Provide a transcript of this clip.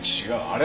違う。